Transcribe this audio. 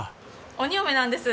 鬼嫁なんです！